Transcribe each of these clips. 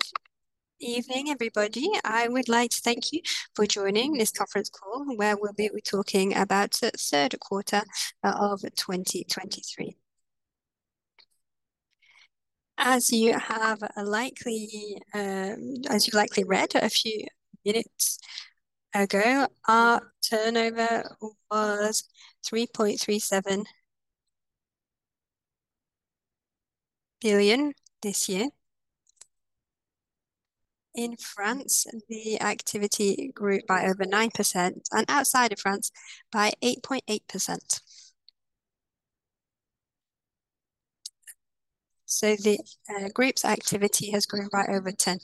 Good evening, everybody. I would like to thank you for joining this conference call, where we'll be talking about the third quarter of 2023. As you've likely read a few minutes ago, our turnover was EUR 3.37 billion this year. In France, the activity grew by over 9%, and outside of France, by 8.8%. So the group's activity has grown by over 10%,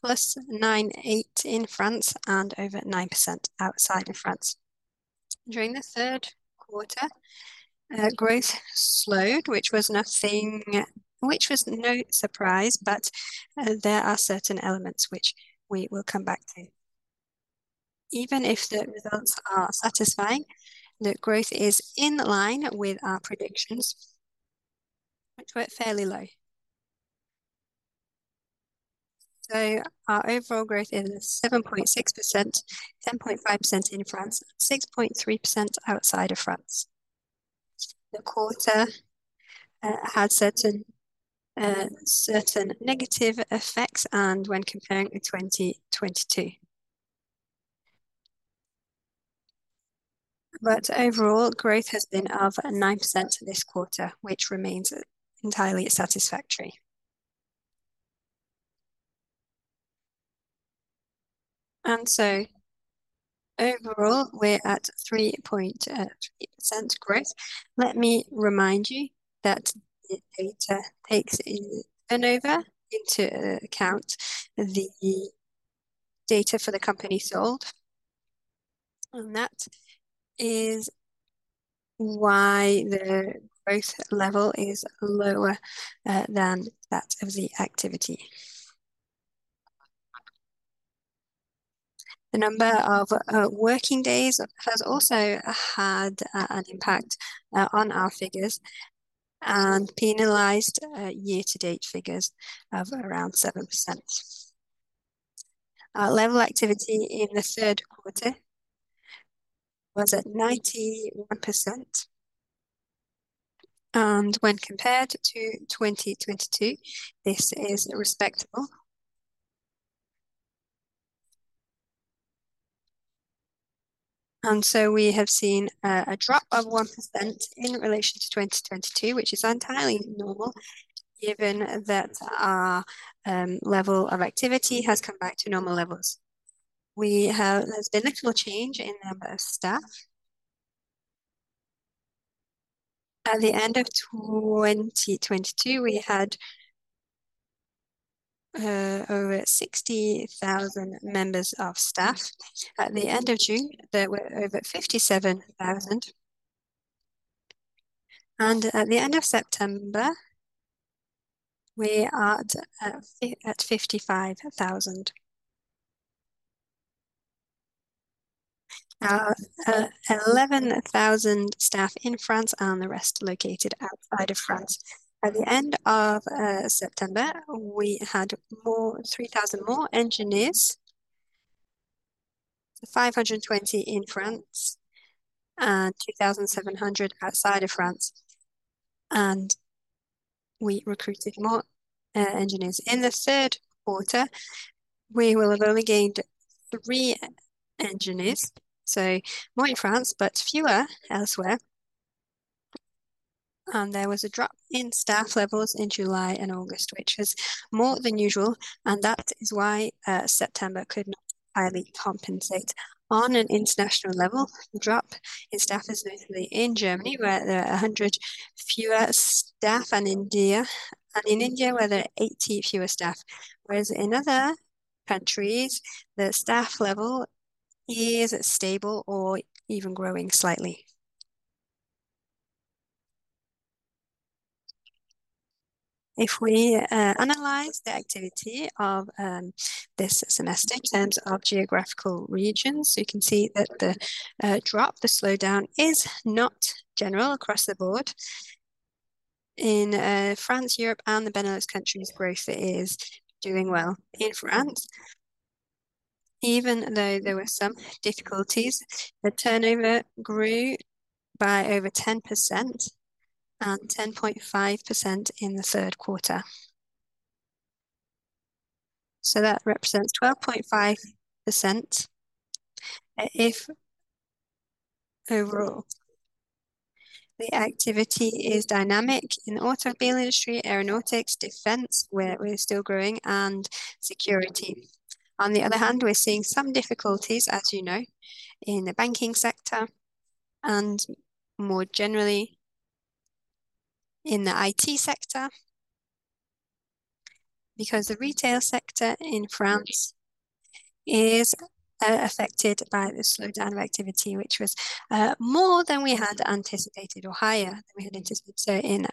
plus 9.8 in France and over 9% outside of France. During the third quarter, growth slowed, which was no surprise, but there are certain elements which we will come back to. Even if the results are satisfying, the growth is in line with our predictions, which were fairly low. So our overall growth is 7.6%, 10.5% in France, 6.3% outside of France. The quarter had certain negative effects and when comparing with 2022. But overall, growth has been of 9% this quarter, which remains entirely satisfactory. And so overall, we're at 3.3% growth. Let me remind you that the data takes turnover into account, the data for the company sold, and that is why the growth level is lower than that of the activity. The number of working days has also had an impact on our figures and penalized year-to-date figures of around 7%. Activity level in the third quarter was at 91%, and when compared to 2022, this is respectable. We have seen a drop of 1% in relation to 2022, which is entirely normal, given that our level of activity has come back to normal levels. There has been little change in the number of staff. At the end of 2022, we had over 60,000 members of staff. At the end of June, there were over 57,000, and at the end of September, we are at 55,000. 11,000 staff in France and the rest located outside of France. At the end of September, we had 3,000 more engineers, 520 in France, and 2,700 outside of France, and we recruited more engineers. In the third quarter, we will have only gained three engineers, so more in France, but fewer elsewhere. There was a drop in staff levels in July and August, which is more than usual, and that is why September could not highly compensate. On an international level, drop in staff is notably in Germany, where there are 100 fewer staff, and in India, where there are 80 fewer staff. Whereas in other countries, the staff level is stable or even growing slightly. If we analyze the activity of this semester in terms of geographical regions, you can see that the drop, the slowdown, is not general across the board. In France, Europe, and the Benelux countries, growth is doing well. In France, even though there were some difficulties, the turnover grew by over 10% and 10.5% in the third quarter. That represents 12.5% overall. The activity is dynamic in the automobile industry, aeronautics, defense, where we're still growing, and security. On the other hand, we're seeing some difficulties, as you know, in the banking sector and more generally in the IT sector, because the retail sector in France is affected by the slowdown of activity, which was more than we had anticipated or higher than we had anticipated. So in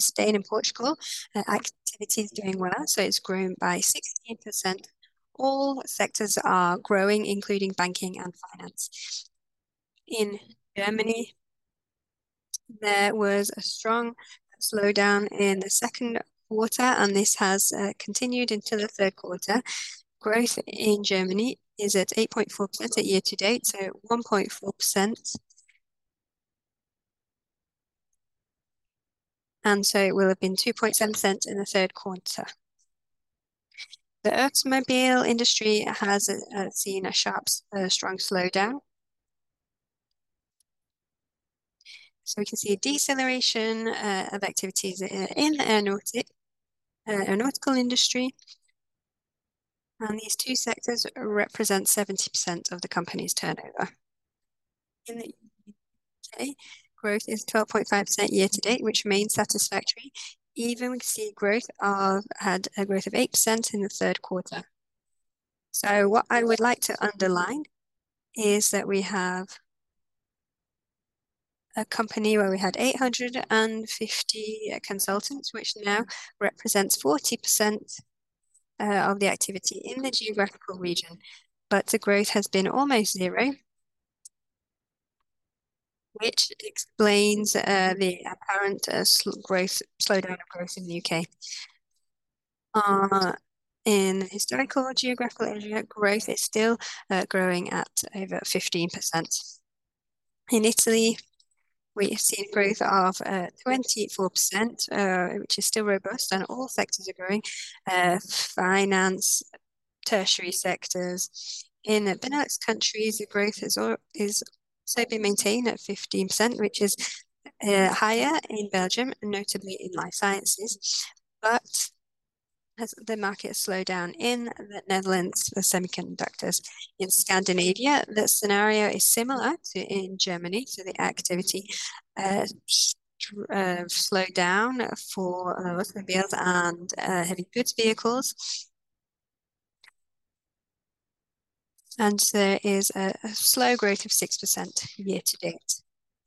Spain and Portugal, activity is doing well, so it's grown by 16%. All sectors are growing, including banking and finance. In Germany, there was a strong slowdown in the second quarter, and this has continued into the third quarter. Growth in Germany is at 8.4% year-to-date, so 1.4%. And so it will have been 2.7% in the third quarter. The automobile industry has seen a sharp, strong slowdown. So we can see a deceleration of activities in the aeronautic, aeronautical industry, and these two sectors represent 70% of the company's turnover. In the UK, growth is 12.5% year-to-date, which remains satisfactory. Even we can see growth of - had a growth of 8% in the third quarter. So what I would like to underline is that we have a company where we had 850 consultants, which now represents 40% of the activity in the geographical region, but the growth has been almost zero, which explains the apparent slow growth, slowdown of growth in the UK. In historical geographical area, growth is still growing at over 15%. In Italy, we have seen growth of 24%, which is still robust, and all sectors are growing. Finance, tertiary sectors. In the Benelux countries, the growth is still being maintained at 15%, which is higher in Belgium, notably in life sciences. As the market slowed down in the Netherlands, the semiconductors. In Scandinavia, the scenario is similar to in Germany, so the activity slowed down for automobiles and heavy goods vehicles. There is a slow growth of 6% year-to-date.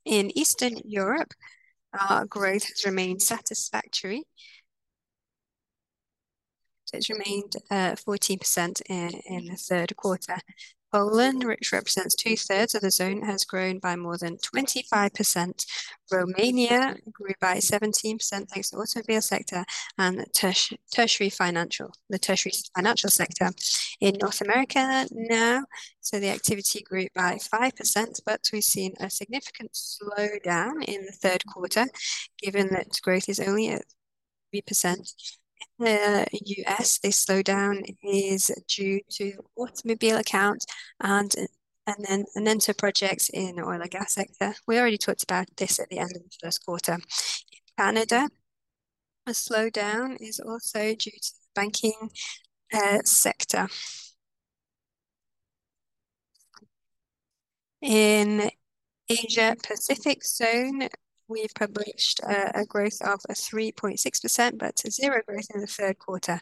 In Eastern Europe, growth has remained satisfactory. It's remained 14% in the third quarter. Poland, which represents two-thirds of the zone, has grown by more than 25%. Romania grew by 17% thanks to automobile sector and the tertiary financial sector. In North America now, so the activity grew by 5%, but we've seen a significant slowdown in the third quarter, given that growth is only at 3%. In the U.S., this slowdown is due to automobile account and then projects in oil and gas sector. We already talked about this at the end of the first quarter. In Canada, a slowdown is also due to the banking sector. In Asia Pacific zone, we've published a growth of 3.6%, but 0% growth in the third quarter.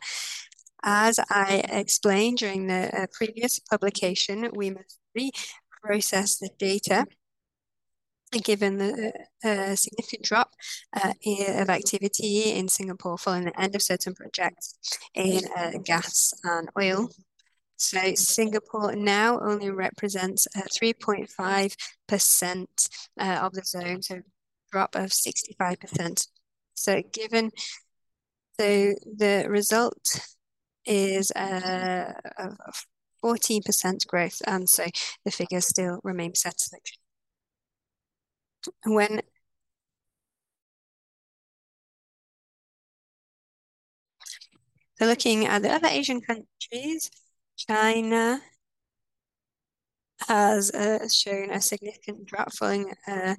As I explained during the previous publication, we must reprocess the data, given the significant drop in activity in Singapore following the end of certain projects in gas and oil. So Singapore now only represents 3.5% of the zone, so 65% drop. So the result is of 14% growth, and so the figure still remains satisfactory. So looking at the other Asian countries, China has shown a significant drop following a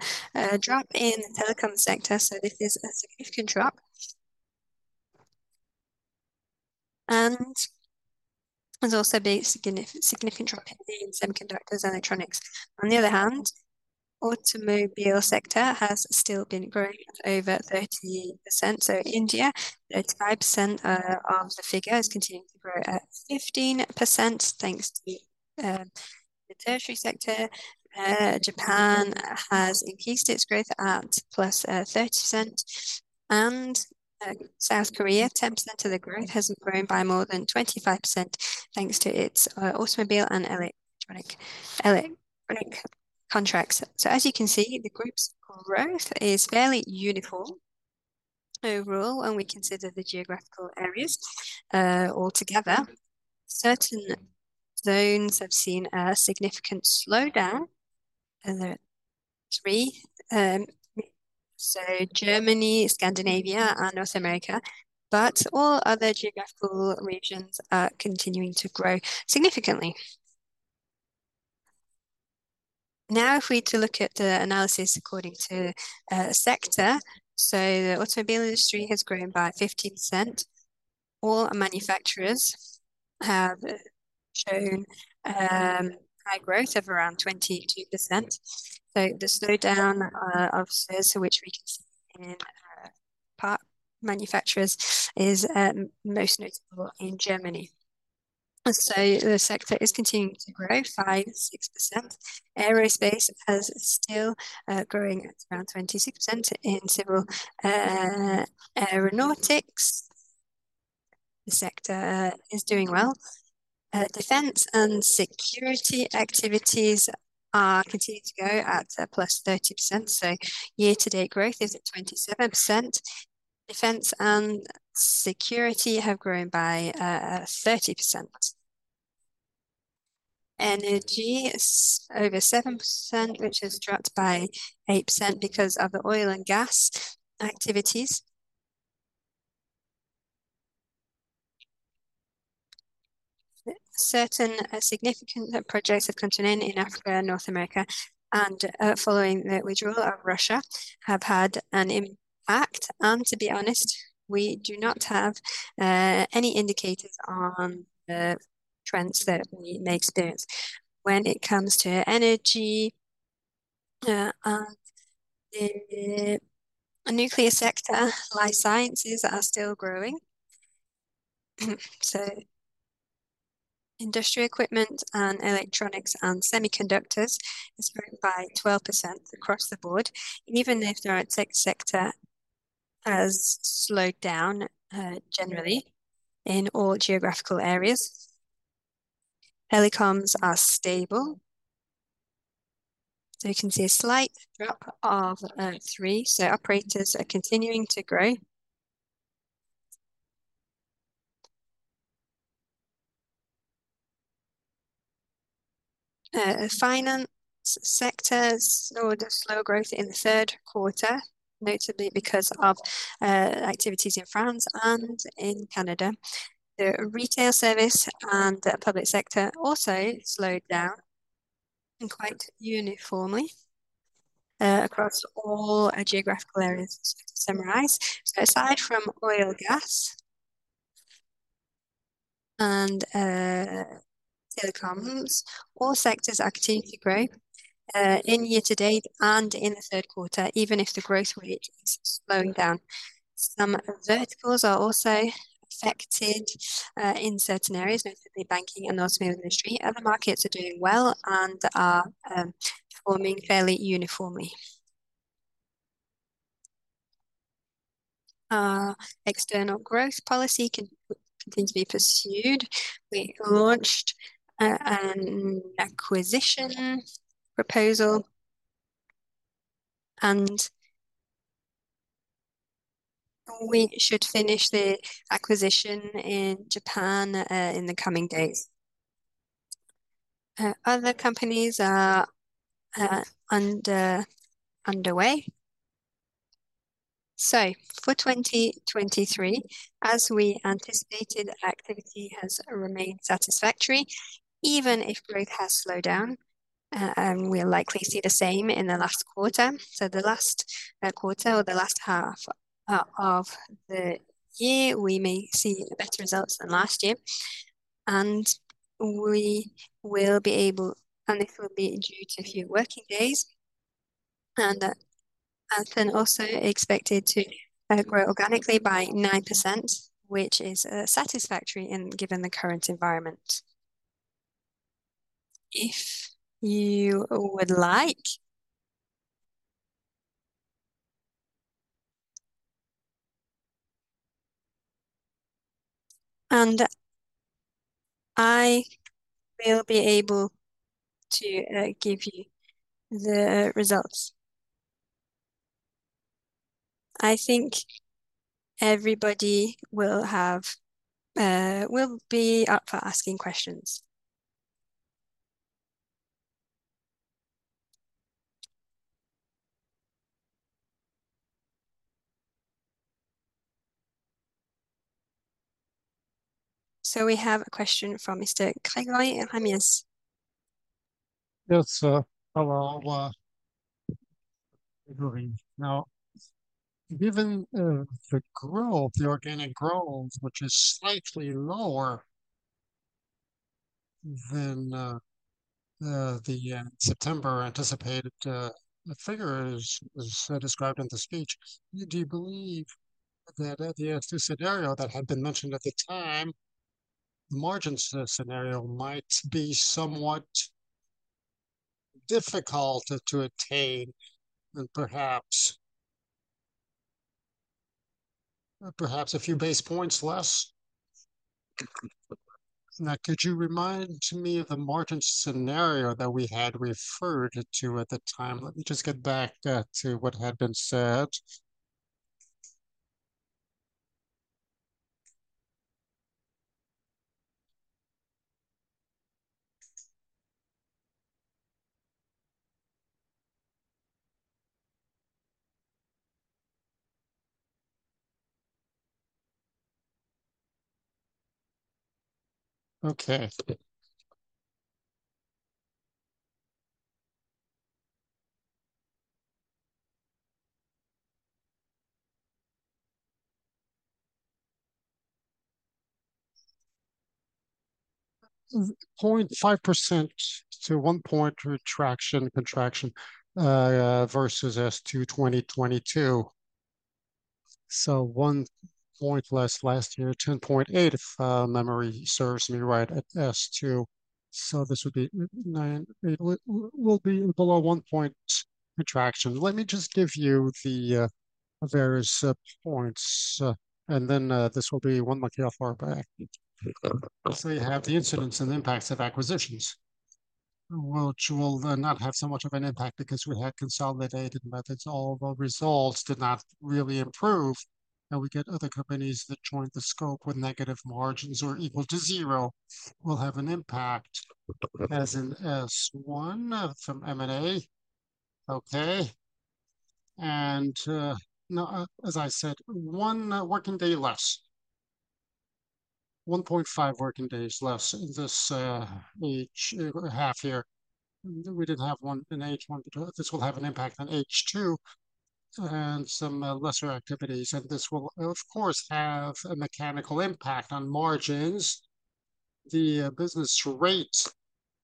drop in the telecom sector, so this is a significant drop. And there's also been significant, significant drop in semiconductors, electronics. On the other hand, automobile sector has still been growing at over 30%, so India, 35% of the figure, has continued to grow at 15%, thanks to the tertiary sector. Japan has increased its growth at +30%, and South Korea, 10% of the growth, has grown by more than 25%, thanks to its automobile and electronic, electronic contracts. So as you can see, the group's growth is fairly uniform overall when we consider the geographical areas altogether. Certain zones have seen a significant slowdown, and there are three: Germany, Scandinavia, and North America, but all other geographical regions are continuing to grow significantly. Now, if we look at the analysis according to sector, the automobile industry has grown by 15%. All manufacturers have shown high growth of around 22%. The slowdown, which we can see in part manufacturers, is most notable in Germany. The sector is continuing to grow by 6%. Aerospace is still growing at around 26% in civil aeronautics. The sector is doing well. Defense and security activities are continuing to go at plus 30%, so year-to-date growth is at 27%. Defense and security have grown by 30%. Energy is over 7%, which has dropped by 8% because of the oil and gas activities. Certain significant projects have continued in Africa and North America, and following the withdrawal of Russia, have had an impact. To be honest, we do not have any indicators on the trends that we may experience. When it comes to energy and the nuclear sector, life sciences are still growing. So industry equipment and electronics and semiconductors has grown by 12% across the board, even if the tech sector has slowed down generally in all geographical areas. Telecoms are stable. So you can see a slight drop of 3%, so operators are continuing to grow. Finance sector slowed to slow growth in the third quarter, notably because of activities in France and in Canada. The retail service and the public sector also slowed down, and quite uniformly, across all geographical areas, to summarize. So aside from oil and gas and, telecoms, all sectors are continuing to grow, in year-to-date and in the third quarter, even if the growth rate is slowing down. Some verticals are also affected, in certain areas, notably banking and automotive industry. Other markets are doing well and are, performing fairly uniformly. External growth policy continues to be pursued. We launched, an acquisition proposal, and we should finish the acquisition in Japan, in the coming days. Other companies are, underway. So for 2023, as we anticipated, activity has remained satisfactory, even if growth has slowed down. And we'll likely see the same in the last quarter. So the last quarter or the last half of the year, we may see better results than last year, and we will be able... and this will be due to fewer working days. ALTEN also expected to grow organically by 9%, which is satisfactory given the current environment. If you would like, I will be able to give you the results. I think everybody will be up for asking questions. So we have a question from Mr. Grégory Ramirez. Yes, hello, Grégory. Now, given the growth, the organic growth, which is slightly lower than the September anticipated figures, as described in the speech, do you believe that the scenario that had been mentioned at the time, margin scenario might be somewhat difficult to attain and perhaps a few basis points less? Now, could you remind me of the margin scenario that we had referred to at the time? Let me just get back to what had been said. Okay. 0.5% to 1% contraction versus S2 2022. So 1% less last year, 10.8%, if memory serves me right, at S2. So this would be 9%. It will be below 1% contraction. Let me just give you the various points, and then this will be one look how far back. You have the incidents and impacts of acquisitions, which will then not have so much of an impact because we had consolidated methods, although results did not really improve, and we get other companies that joined the scope when negative margins are equal to zero, will have an impact as in S1 from M&A. As I said, one working day less. 1.5 working days less in this half year. We didn't have one in H1, but this will have an impact on H2 and some lesser activities, and this will, of course, have a mechanical impact on margins. The business rates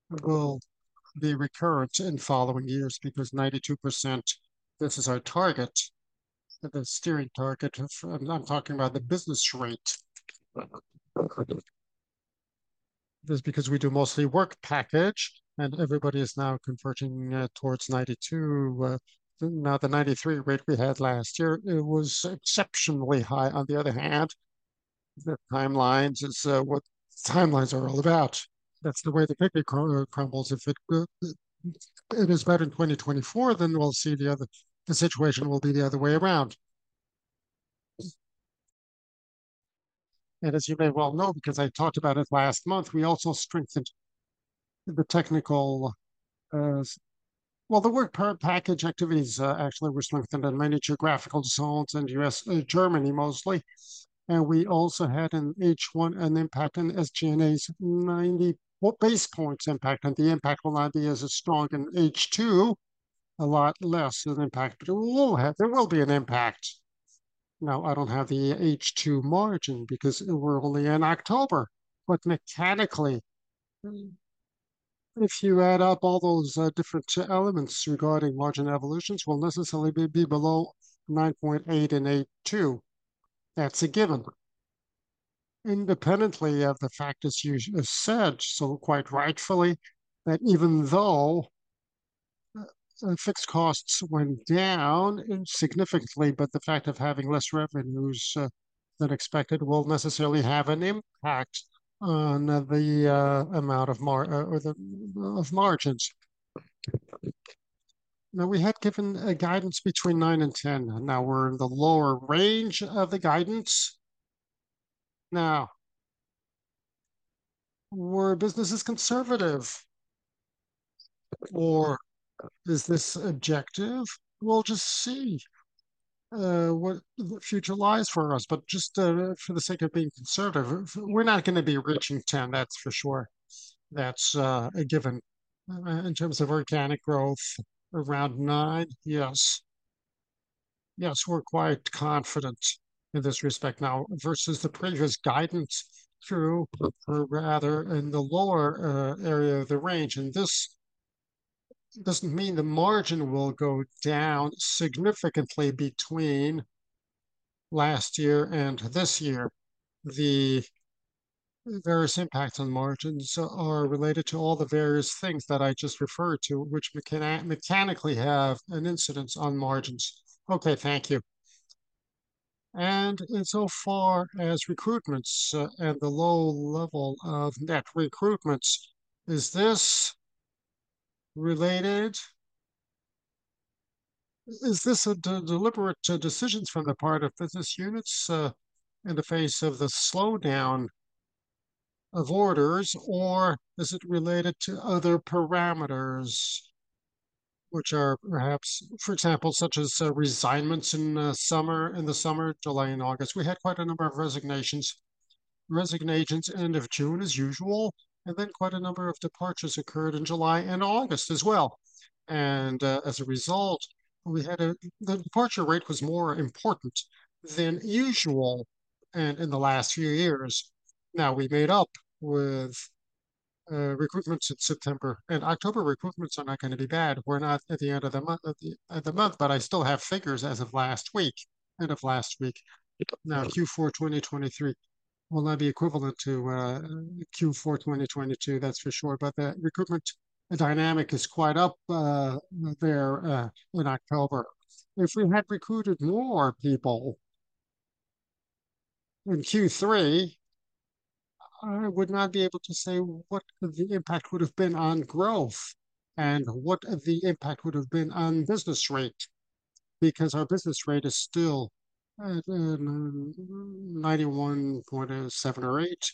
will be recurrent in following years because 92%, this is our target, the steering target. I'm talking about the business rate. This is because we do mostly work package, and everybody is now converting towards 92, not the 93 rate we had last year. It was exceptionally high. On the other hand, the timelines is what timelines are all about. That's the way the cookie crumbles. If it is better in 2024, we'll see the other-- the situation will be the other way around. As you may well know, because I talked about it last month, we also strengthened the technical, well, the work package activities actually were strengthened in many geographical zones in the US, Germany mostly, and we also had an H1, an impact in SG&A's 90... Well, base points impact, and the impact will not be as strong in H2, a lot less an impact, but it will have, there will be an impact. Now, I don't have the H2 margin because we're only in October, but mechanically, if you add up all those different elements regarding margin evolutions, will necessarily be, be below 9.8 and 8.2. That's a given. Independently of the fact, as you have said, so quite rightfully, that even though fixed costs went down significantly, but the fact of having less revenues than expected will necessarily have an impact on the amount of mar-- the, of margins. Now, we had given a guidance between 9 and 10, and now we're in the lower range of the guidance. Now, were business is conservative or is this objective? We'll just see what the future lies for us, but just for the sake of being conservative, we're not gonna be reaching 10, that's for sure. That's a given. In terms of organic growth, around nine, yes. Yes, we're quite confident in this respect now versus the previous guidance through, or rather in the lower area of the range, and this doesn't mean the margin will go down significantly between last year and this year. The various impacts on margins are related to all the various things that I just referred to, which mechanically have an incidence on margins. Okay, thank you. And insofar as recruitments and the low level of net recruitments, is this related? Is this a deliberate decisions from the part of business units, in the face of the slowdown of orders, or is it related to other parameters which are perhaps, for example, such as, resignations in summer, in the summer, July and August? We had quite a number of resignations. Resignations end of June, as usual, and then quite a number of departures occurred in July and August as well, and as a result, we had a... The departure rate was more important than usual in the last few years. Now, we made up with recruitments in September, and October recruitments are not gonna be bad. We're not at the end of the month, but I still have figures as of last week, end of last week. Now, Q4 2023 will not be equivalent to Q4 2022, that's for sure, but the recruitment dynamic is quite up there in October. If we had recruited more people in Q3, I would not be able to say what the impact would have been on growth and what the impact would have been on business rate, because our business rate is still at 91.7% or 91.8%.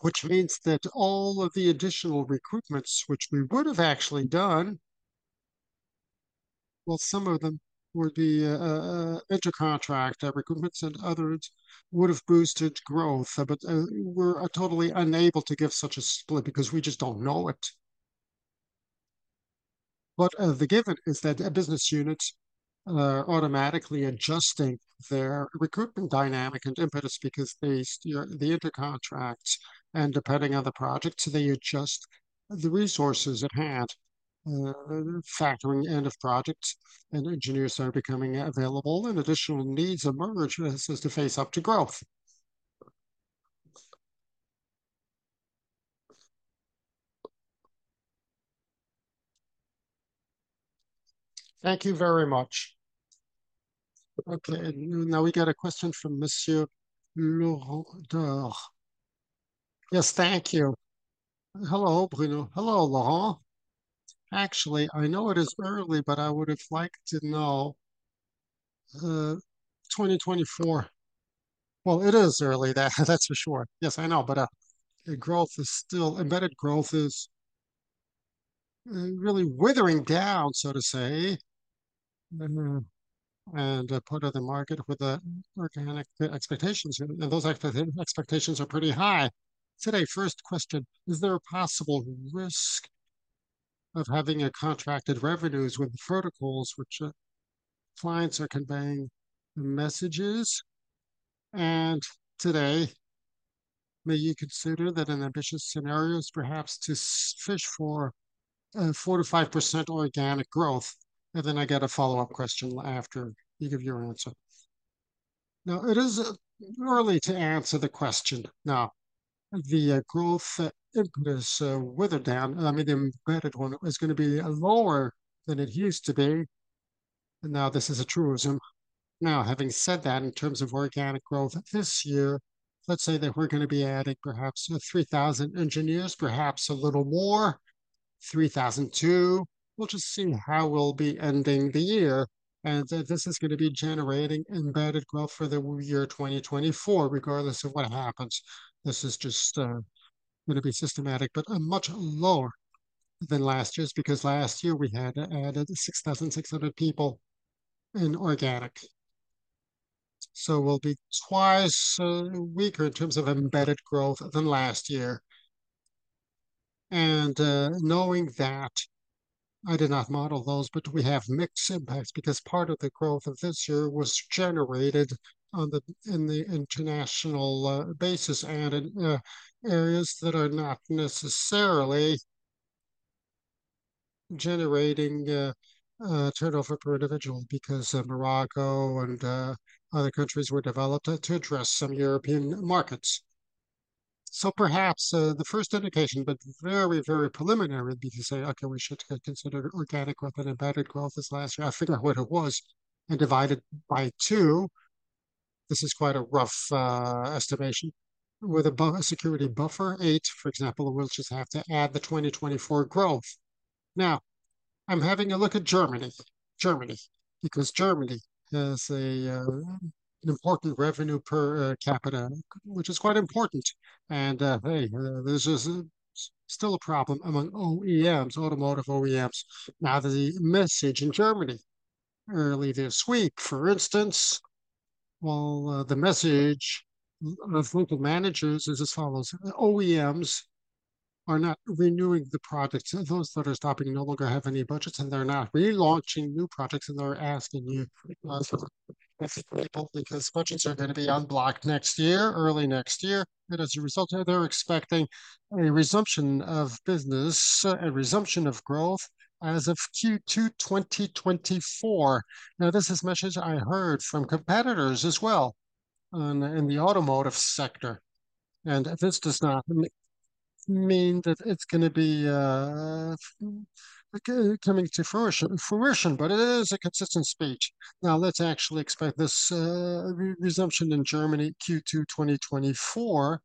Which means that all of the additional recruitments, which we would have actually done, well, some of them would be inter contract recruitments, and others would have boosted growth. But, we're totally unable to give such a split because we just don't know it. The given is that a business unit automatically adjusts their recruitment dynamic and impetus because they inter contracts, and depending on the project, they adjust the resources at hand... factoring end of projects and engineers are becoming available, and additional needs emerge as to face up to growth. Thank you very much. Okay, now we got a question from Monsieur Laurent Daure. Yes, thank you. Hello, Bruno. Hello, Laurent. Actually, I know it is early, but I would have liked to know, 2024... Well, it is early, that's for sure. Yes, I know, but growth is still- embedded growth is really withering down, so to say. And part of the market with the organic expectations, and those expectations are pretty high. Today, first question: Is there a possible risk of having contracted revenues with the protocols which clients are conveying messages? And today, may you consider that an ambitious scenario is perhaps to fish for 4%-5% organic growth? And then I got a follow-up question after you give your answer. Now, it is early to answer the question. Now, the growth, it is withered down, I mean, the embedded one is gonna be lower than it used to be, and now this is a truism. Now, having said that, in terms of organic growth this year, let's say that we're gonna be adding perhaps 3,000 engineers, perhaps a little more, 3,002. We'll just see how we'll be ending the year, and that this is gonna be generating embedded growth for the year 2024, regardless of what happens. This is just gonna be systematic, but much lower than last year's, because last year we had added 6,600 people in organic. So we'll be twice weaker in terms of embedded growth than last year. And knowing that, I did not model those, but we have mixed impacts, because part of the growth of this year was generated in the international basis, and in areas that are not necessarily generating turnover per individual, because Morocco and other countries were developed to address some European markets. So perhaps, the first indication, but very, very preliminary, we can say, "Okay, we should, consider organic growth and embedded growth this last year." I figure out what it was and divide it by two. This is quite a rough, estimation. With a security buffer, 8, for example, we'll just have to add the 2024 growth. Now, I'm having a look at Germany. Germany, because Germany has a, an important revenue per, capita, which is quite important. And, hey, this is, still a problem among OEMs, automotive OEMs. Now, the message in Germany early this week, for instance, well, the message of local managers is as follows: OEMs are not renewing the projects. Those that are stopping no longer have any budgets, and they're not relaunching new projects, and they're asking you because budgets are gonna be unblocked next year, early next year. As a result, they're expecting a resumption of business, a resumption of growth as of Q2 2024. Now, this is message I heard from competitors as well on... in the automotive sector, and this does not mean that it's gonna be coming to fruition, but it is a consistent speech. Now, let's actually expect this resumption in Germany, Q2 2024,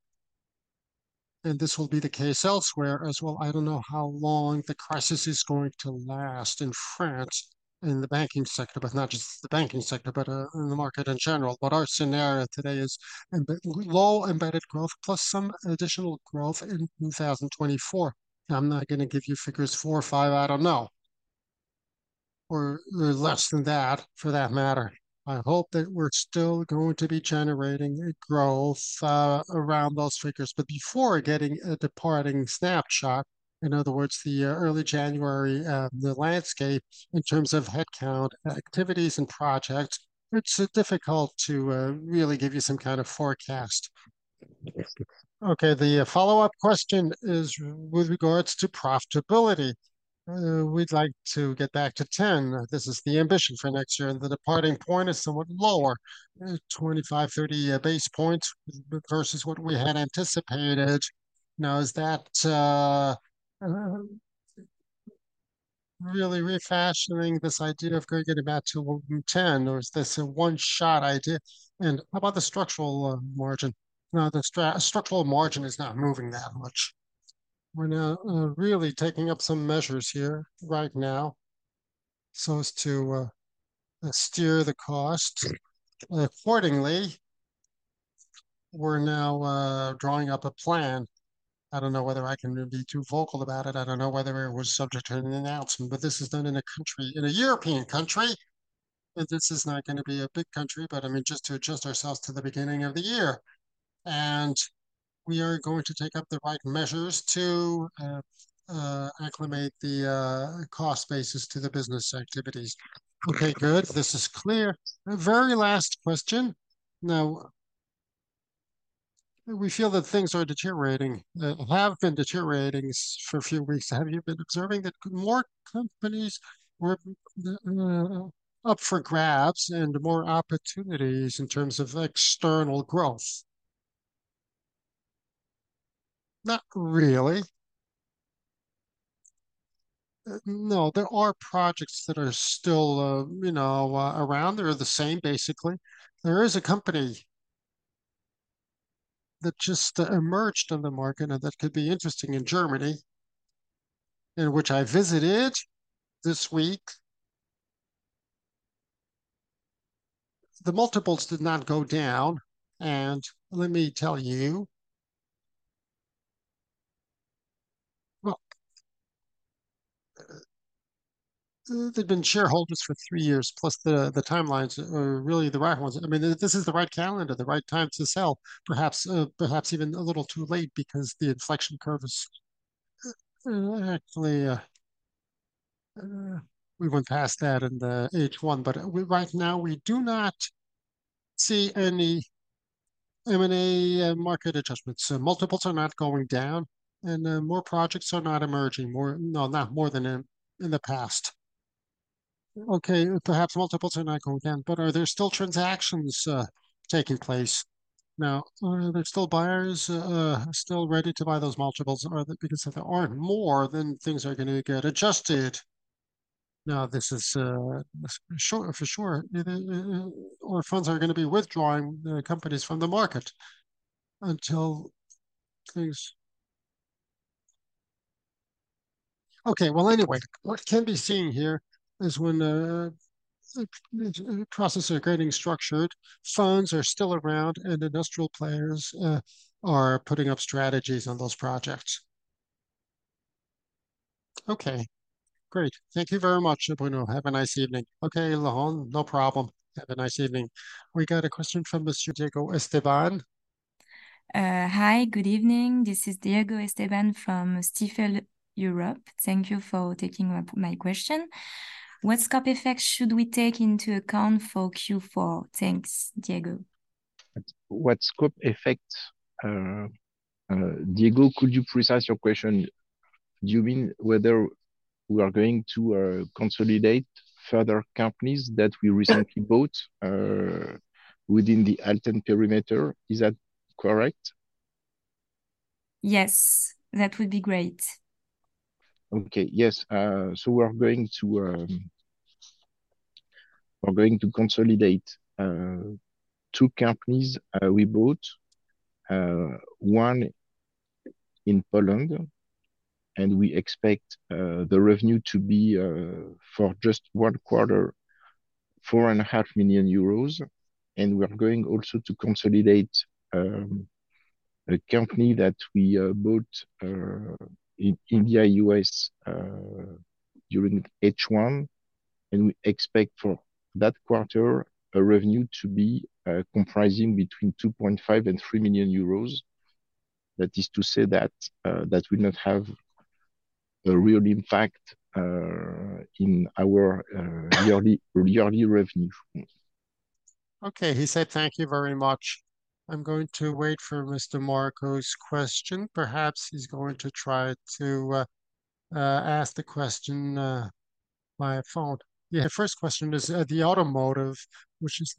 and this will be the case elsewhere as well. I don't know how long the crisis is going to last in France, in the banking sector, but not just the banking sector, but in the market in general. Our scenario today is low embedded growth, plus some additional growth in 2024. I'm not gonna give you figures. 4 or 5, I don't know, or less than that, for that matter. I hope that we're still going to be generating a growth around those figures. Before getting a departing snapshot, in other words, early January, the landscape in terms of headcount, activities, and projects, it's difficult to really give you some kind of forecast. Okay, the follow-up question is with regards to profitability. We'd like to get back to 10. This is the ambition for next year, and the departing point is somewhat lower, 25-30 basis points versus what we had anticipated. Now, is that really refashioning this idea of getting back to 10, or is this a one-shot idea? How about the structural margin? Now, the structural margin is not moving that much. We're now really taking up some measures here right now, so as to steer the cost. Accordingly, we're now drawing up a plan. I don't know whether I can be too vocal about it. I don't know whether it was subject to an announcement, but this is done in a country, in a European country, and this is not gonna be a big country, but I mean, just to adjust ourselves to the beginning of the year. We are going to take up the right measures to acclimate the cost basis to the business activities. Okay, good. This is clear. The very last question. Now we feel that things are deteriorating, have been deteriorating for a few weeks. Have you been observing that more companies were up for grabs and more opportunities in terms of external growth? Not really. No, there are projects that are still, you know, around. They're the same, basically. There is a company that just emerged on the market, and that could be interesting in Germany, and which I visited this week. The multiples did not go down, and let me tell you, well, they've been shareholders for three years, plus the timelines are really the right ones. I mean, this is the right calendar, the right time to sell. Perhaps, perhaps even a little too late because the inflection curve is, actually, we went past that in the H1, but, right now, we do not see any M&A market adjustments. Multiples are not going down, and more projects are not emerging more... No, not more than in the past. Okay, perhaps multiples are not going down, but are there still transactions taking place now? Are there still buyers still ready to buy those multiples? Because if there aren't more, then things are gonna get adjusted. This is, for sure. Our funds are gonna be withdrawing the companies from the market until things... Okay, well, anyway, what can be seen here is when processes are getting structured, funds are still around, and industrial players are putting up strategies on those projects. Okay, great. Thank you very much, Bruno. Have a nice evening. Okay, Laurent, no problem. Have a nice evening. We got a question from Mr. Diego Esteban. Hi, good evening. This is Diego Esteban from Stifel Europe. Thank you for taking my, my question. What scope effects should we take into account for Q4? Thanks. Diego. What scope effect, Diego, could you precise your question? Do you mean whether we are going to consolidate further companies that we recently bought within the ALTEN perimeter? Is that correct? Yes, that would be great. Okay, yes. So we're going to consolidate two companies. We bought one in Poland, and we expect the revenue to be for just one quarter, 4.5 million euros, and we are going also to consolidate a company that we bought in India, U.S., during H1, and we expect for that quarter revenue to be comprising between 2.5-3 million euros. That is to say that that will not have a real impact in our yearly, yearly revenue. Okay, he said thank you very much. I'm going to wait for Mr. Marco's question. Perhaps he's going to try to ask the question via phone. Yeah, first question is, the automotive, which is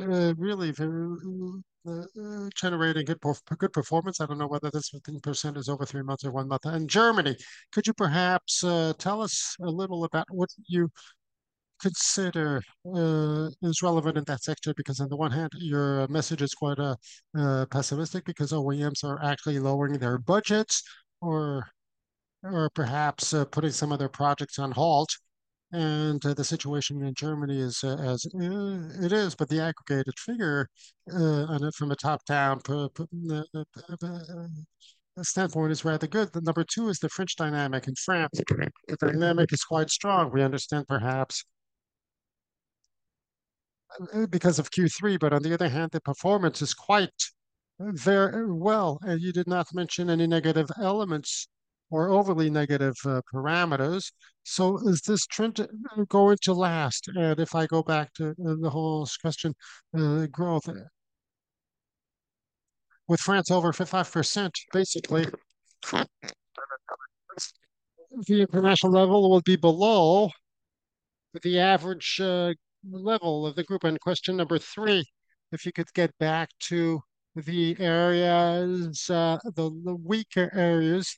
really very generating good performance. I don't know whether this 15% is over three months or one month. In Germany, could you perhaps tell us a little about what you consider is relevant in that sector? Because on the one hand, your message is quite pessimistic because OEMs are actually lowering their budgets or perhaps putting some of their projects on halt, and the situation in Germany is as it is, but the aggregated figure on it from a top-down standpoint is rather good. Number two is the French dynamic. In France- Mm-hmm. The dynamic is quite strong. We understand perhaps because of Q3, but on the other hand, the performance is quite very well, and you did not mention any negative elements or overly negative parameters. Is this trend going to last? If I go back to the whole discussion, growth, with France over 55%, basically, the international level will be below the average level of the group. Question number three, if you could get back to the areas, the weaker areas.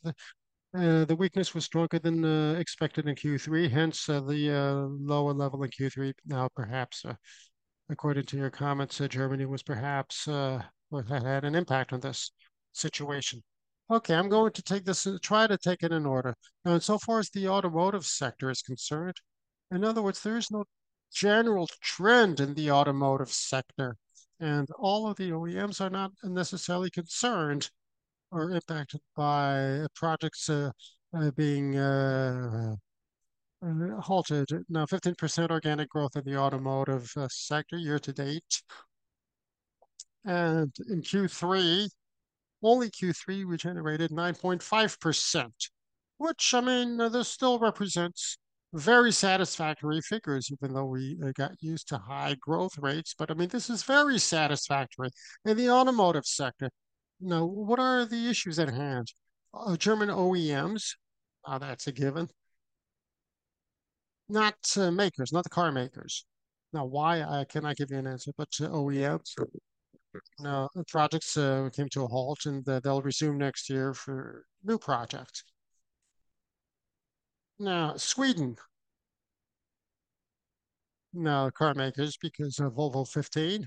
The weakness was stronger than expected in Q3, hence, the lower level in Q3. Now, perhaps, according to your comments, Germany was perhaps, had an impact on this situation. Okay, I'm going to take this, try to take it in order. Now, so far as the automotive sector is concerned, in other words, there is no general trend in the automotive sector, and all of the OEMs are not necessarily concerned or impacted by projects being halted. Now, 15% organic growth in the automotive sector year to date, and in Q3, only Q3, we generated 9.5%, which, I mean, this still represents very satisfactory figures, even though we got used to high growth rates. But, I mean, this is very satisfactory. In the automotive sector, now, what are the issues at hand? German OEMs, that's a given. Not makers, not the car makers. Now, why? I cannot give you an answer, but to OEMs, projects came to a halt, and they'll resume next year for new projects. Now, Sweden. Now, the car makers, because of Volvo 15,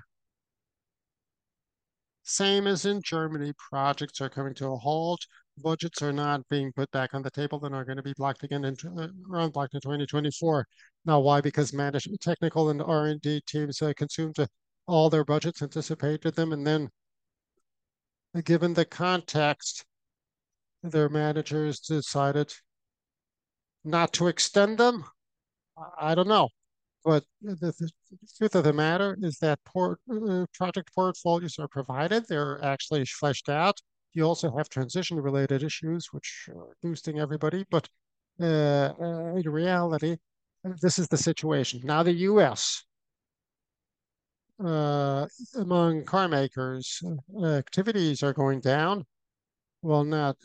same as in Germany, projects are coming to a halt. Budgets are not being put back on the table and are gonna be blocked again in, around back to 2024. Now, why? Because manage- technical and R&D teams have consumed all their budgets, anticipated them, and then, given the context, their managers decided not to extend them. I don't know, but the truth of the matter is that port, project portfolios are provided. They're actually fleshed out. You also have transition-related issues, which are boosting everybody, but, in reality, this is the situation. Now, the U.S., among car makers, activities are going down. Well, not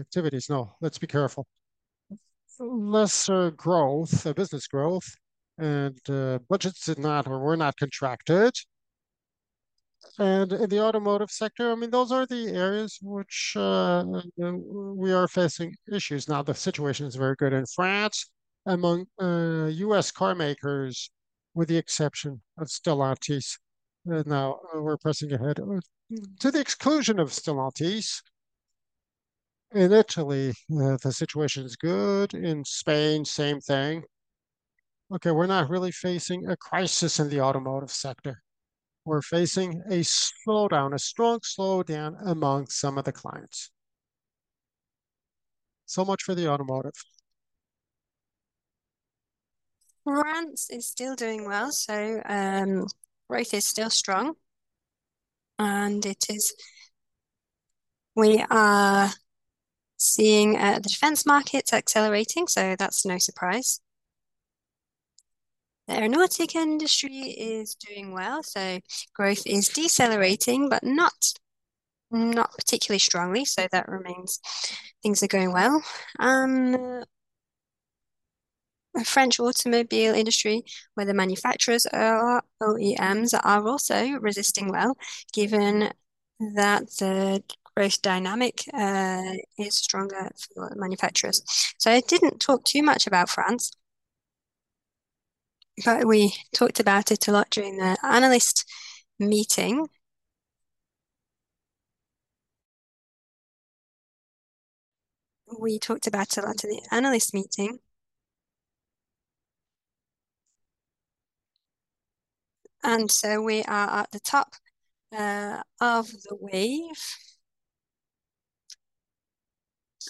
activities. No, let's be careful. Lesser growth, business growth, and budgets did not or were not contracted. And in the automotive sector, I mean, those are the areas which we are facing issues now. The situation is very good in France, among U.S. car makers, with the exception of Stellantis. Now, we're pressing ahead, to the exclusion of Stellantis. In Italy, the situation is good. In Spain, same thing. Okay, we're not really facing a crisis in the automotive sector. We're facing a slowdown, a strong slowdown among some of the clients. So much for the automotive. France is still doing well, growth is still strong, and it is... We are seeing the defense markets accelerating, so that's no surprise. The aeronautic industry is doing well, so growth is decelerating, but not, not particularly strongly, so that remains. Things are going well. The French automobile industry, where the manufacturers are, OEMs, are also resisting well, given that the growth dynamic is stronger for the manufacturers. I didn't talk too much about France, but we talked about it a lot during the analyst meeting. We talked about it a lot in the analyst meeting. We are at the top of the wave,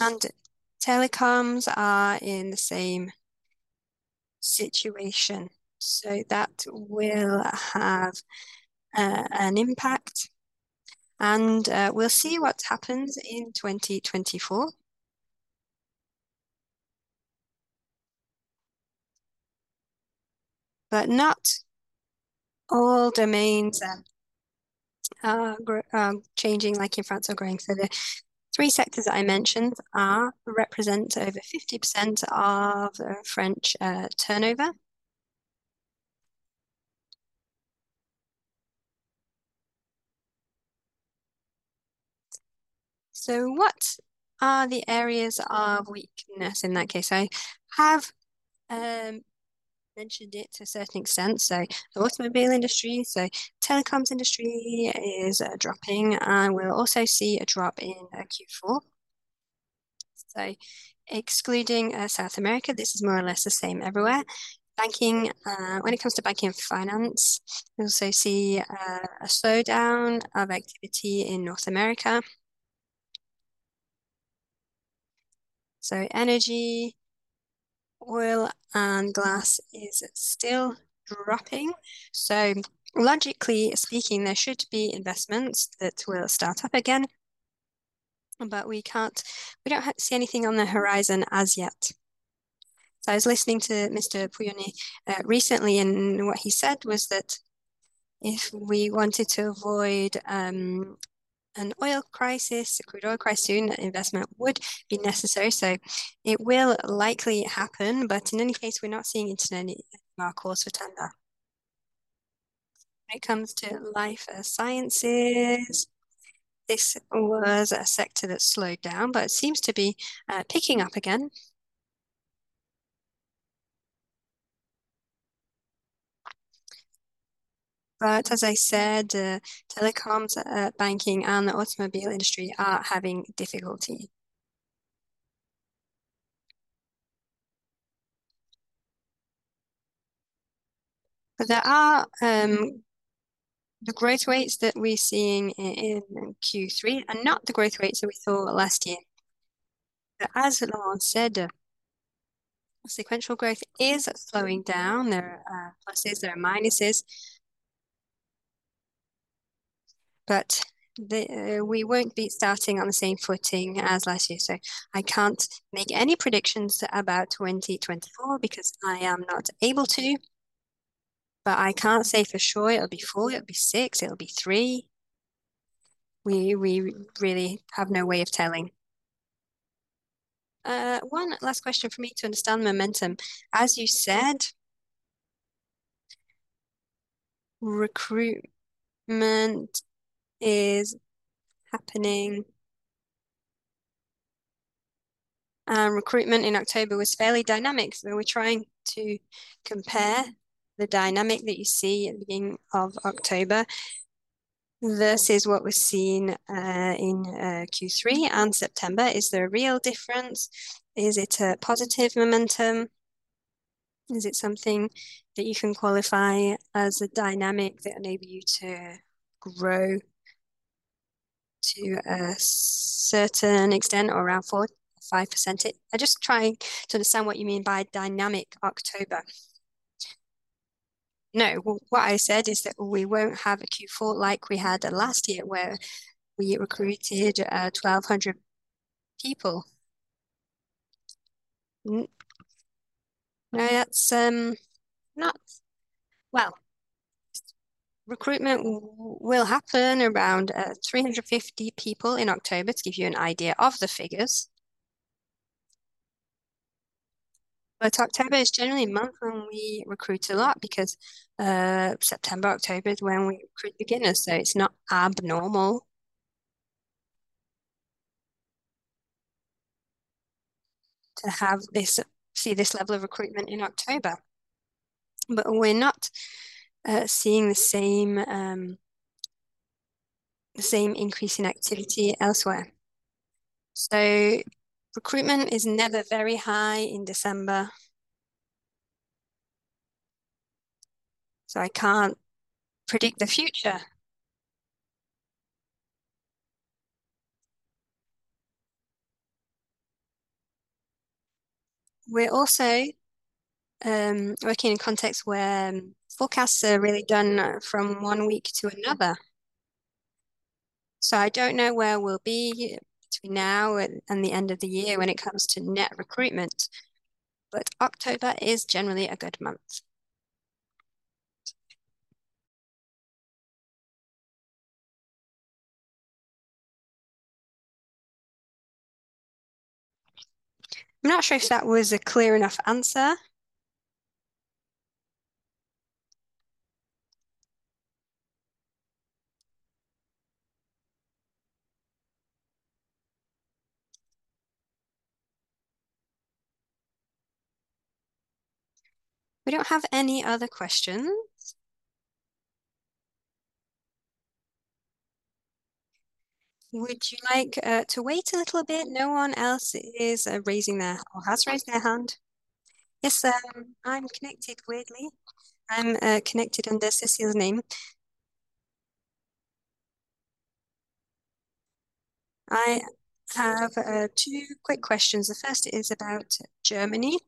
and telecoms are in the same situation, so that will have an impact. We'll see what happens in 2024. Not all domains are, are grow, changing like in France or growing. So the three sectors I mentioned are represent over 50% of the French turnover. So what are the areas of weakness in that case? I have mentioned it to a certain extent, so the automobile industry, so telecoms industry is dropping, and we'll also see a drop in Q4. So excluding South America, this is more or less the same everywhere. Banking, when it comes to banking and finance, we also see a slowdown of activity in North America. So energy, oil, and gas is still dropping. So logically speaking, there should be investments that will start up again, but we can't see anything on the horizon as yet. So I was listening to Mr. Pouyanné recently, and what he said was that if we wanted to avoid an oil crisis, a crude oil crisis soon, that investment would be necessary, so it will likely happen, but in any case, we're not seeing it in any of our calls for tender. When it comes to life sciences, this was a sector that slowed down, but it seems to be picking up again. But as I said, telecoms, banking, and the automobile industry are having difficulty. But there are the growth rates that we're seeing in Q3 are not the growth rates that we saw last year. But as Laurent said, sequential growth is slowing down. There are pluses, there are minuses, but we won't be starting on the same footing as last year. I can't make any predictions about 2024 because I am not able to, but I can't say for sure it'll be 4, it'll be 6, it'll be 3. We really have no way of telling. One last question for me to understand momentum. As you said, recruitment is happening, and recruitment in October was fairly dynamic. We're trying to compare the dynamic that you see at the beginning of October versus what was seen in Q3 and September. Is there a real difference? Is it a positive momentum? Is it something that you can qualify as a dynamic that enables you to grow to a certain extent or around 4-5%? I'm just trying to understand what you mean by dynamic October. No, what I said is that we won't have a Q4 like we had last year, where we recruited 1,200 people. No, that's not. Well, recruitment will happen around 350 people in October, to give you an idea of the figures. But October is generally a month when we recruit a lot because September, October is when we recruit beginners, so it's not abnormal to have this, see this level of recruitment in October. But we're not seeing the same increase in activity elsewhere. So recruitment is never very high in December, so I can't predict the future. We're also working in a context where forecasts are really done from one week to another. I don't know where we'll be between now and the end of the year when it comes to net recruitment, but October is generally a good month. I'm not sure if that was a clear enough answer. We don't have any other questions. Would you like to wait a little bit? No one else is raising their or has raised their hand. Yes, I'm connected weirdly. I'm connected under Cécile's name. I have two quick questions. The first is about Germany.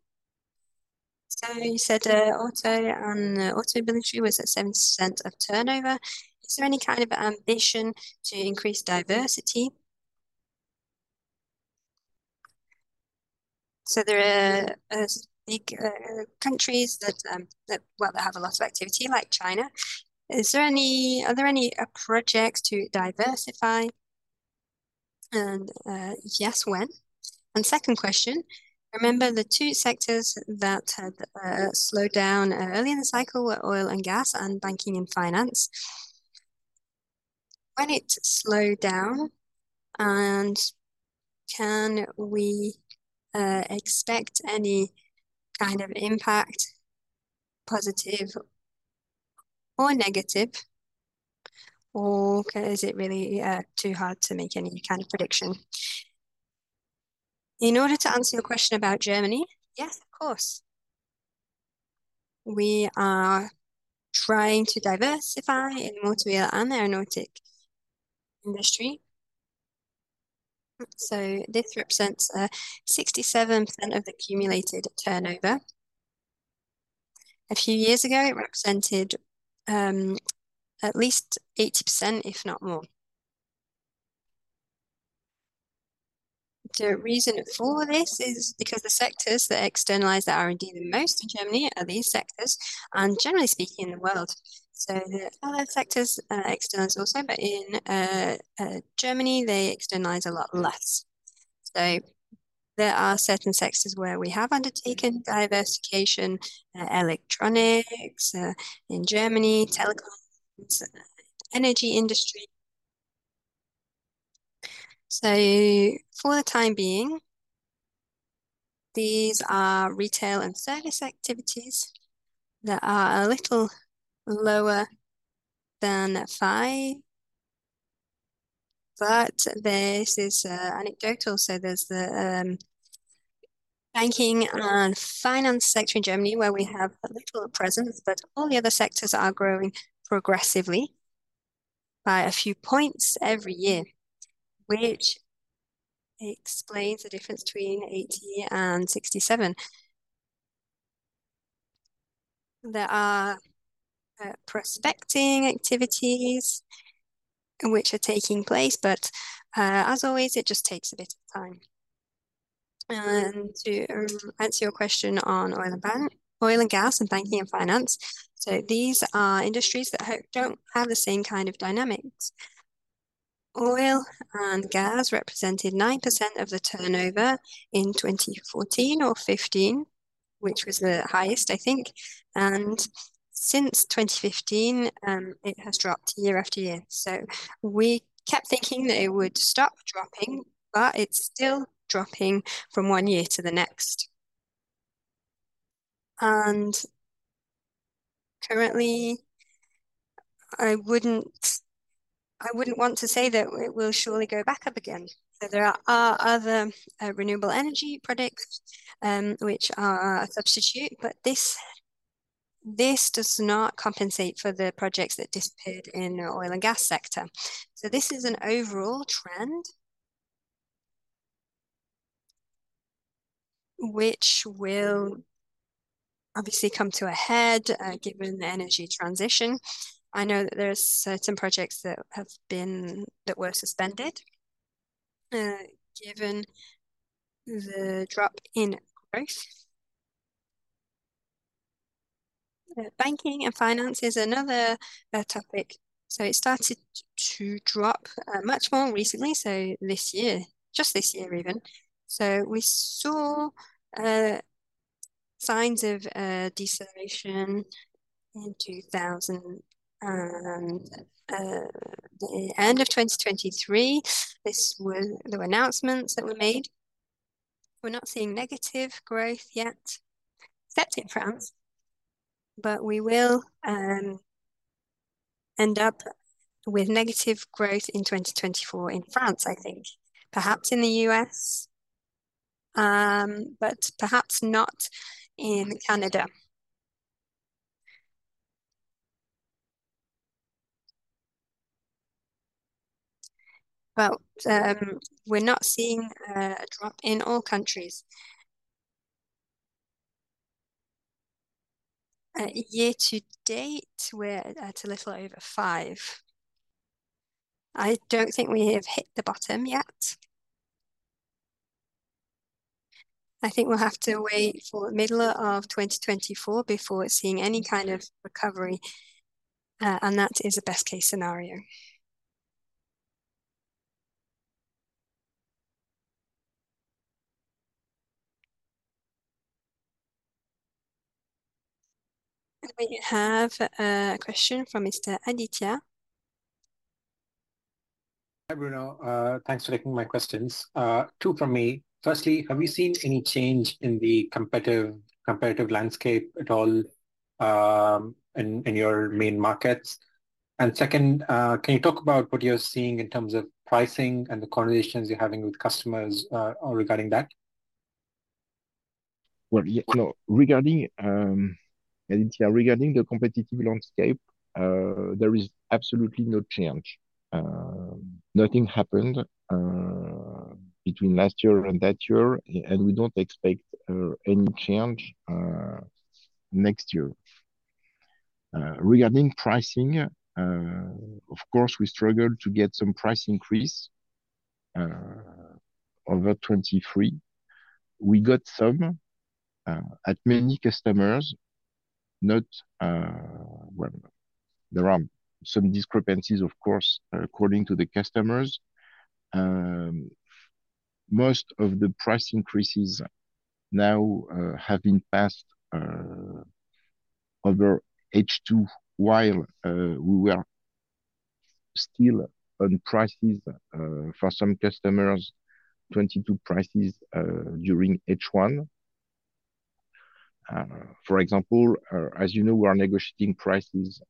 You said auto and auto military was at 7% of turnover. Is there any kind of ambition to increase diversity? There are big countries that have a lot of activity, like China. Is there any—are there any projects to diversify, and yes, when? Second question: Remember the two sectors that had slowed down early in the cycle were oil and gas and banking and finance. When it slowed down, can we expect any kind of impact, positive or negative, or is it really too hard to make any kind of prediction? In order to answer your question about Germany, yes, of course. We are trying to diversify in automobile and aeronautic industry. This represents 67% of the accumulated turnover. A few years ago, it represented at least 80%, if not more. The reason for this is because the sectors that externalize the R&D the most in Germany are these sectors, and generally speaking, in the world. The other sectors externalize also, but in Germany, they externalize a lot less. There are certain sectors where we have undertaken diversification, electronics in Germany, telecoms, energy industry. For the time being, these are retail and service activities that are a little lower than 5, but this is anecdotal. There's the banking and finance sector in Germany, where we have a little presence, but all the other sectors are growing progressively by a few points every year, which explains the difference between 80 and 67. There are prospecting activities which are taking place, but, as always, it just takes a bit of time. To answer your question on oil and gas, and banking and finance, these are industries that don't have the same kind of dynamics. Oil and gas represented 9% of the turnover in 2014 or 2015, which was the highest, I think, and since 2015, it has dropped year after year. So we kept thinking that it would stop dropping, but it's still dropping from one year to the next. And currently, I wouldn't want to say that it will surely go back up again. So there are other renewable energy projects, which are a substitute, but this does not compensate for the projects that disappeared in the oil and gas sector. So this is an overall trend, which will obviously come to a head, given the energy transition. I know that there are certain projects that were suspended, given the drop in growth. Banking and finance is another topic. It started to drop much more recently, this year, just this year even. We saw signs of deceleration in 2023, the end of 2023. There were announcements that were made. We're not seeing negative growth yet, except in France, but we will end up with negative growth in 2024 in France, I think. Perhaps in the U.S., but perhaps not in Canada. Well, we're not seeing a drop in all countries. Year-to-date, we're at a little over 5. I don't think we have hit the bottom yet. I think we'll have to wait for the middle of 2024 before seeing any kind of recovery, and that is a best-case scenario. We have a question from Mr. Aditya. Hi, Bruno. Thanks for taking my questions. Two from me. Firstly, have you seen any change in the competitive landscape at all, in your main markets? And second, can you talk about what you're seeing in terms of pricing and the conversations you're having with customers, regarding that? Well, yeah, no. Regarding Aditya, regarding the competitive landscape, there is absolutely no change. Nothing happened between last year and that year, and we don't expect any change next year. Regarding pricing, of course, we struggled to get some price increase over 2023. We got some at many customers, not... Well, there are some discrepancies, of course, according to the customers. Most of the price increases now have been passed over H2, while we were still on prices for some customers, 2022 prices during H1. For example, as you know, we are negotiating prices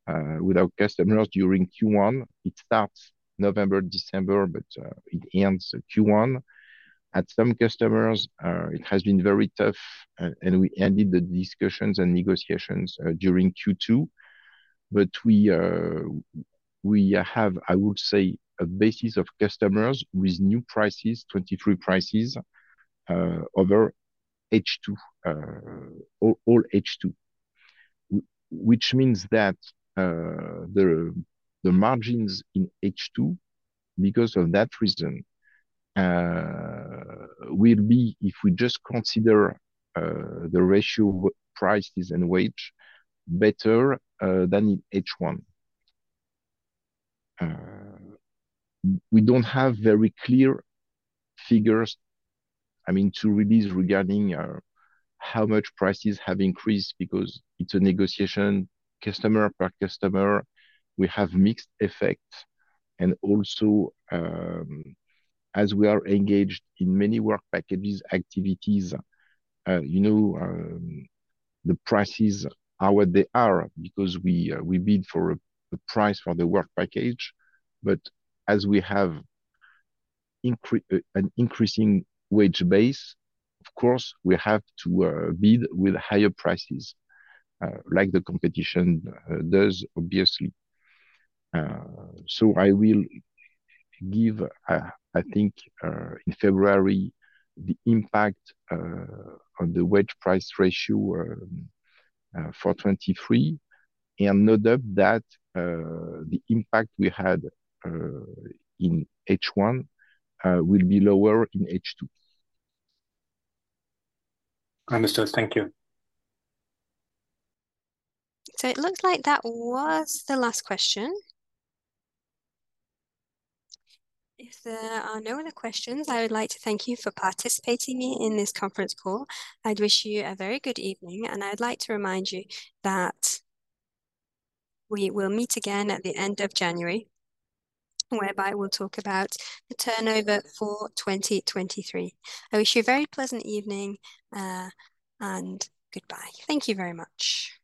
with our customers during Q1. It starts November, December, but it ends Q1. At some customers, it has been very tough, and we ended the discussions and negotiations during Q2. We have, I would say, a basis of customers with new prices, 2023 prices, over H2, all H2. Which means that the margins in H2, because of that reason, will be, if we just consider the ratio of prices and wage, better than in H1. We don't have very clear figures, I mean, to release regarding how much prices have increased because it's a negotiation, customer per customer. We have mixed effects, and also, as we are engaged in many work packages, activities, you know, the prices are what they are because we bid for a price for the work package. But as we have an increasing wage base, of course, we have to bid with higher prices like the competition does, obviously. So I will give, I think, in February, the impact on the wage price ratio for 2023, and no doubt that the impact we had in H1 will be lower in H2. Understood. Thank you. So it looks like that was the last question. If there are no other questions, I would like to thank you for participating in this conference call. I'd wish you a very good evening, and I'd like to remind you that we will meet again at the end of January, whereby we'll talk about the turnover for 2023. I wish you a very pleasant evening, and goodbye. Thank you very much.